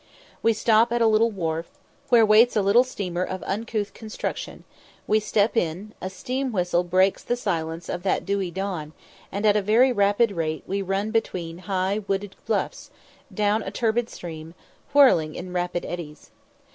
We stop at a little wharf, where waits a little steamer of uncouth construction; we step in, a steam whistle breaks the silence of that dewy dawn, and at a very rapid rate we run between high wooded bluff's, down a turbid stream, whirling in rapid eddies.